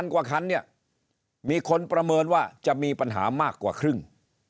กว่าคันเนี่ยมีคนประเมินว่าจะมีปัญหามากกว่าครึ่ง